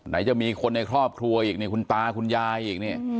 จะมีคนในครอบครัวอีกเนี่ยคุณตาคุณยายอีกนี่